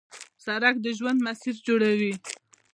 سړک د ژوند مسیر جوړوي.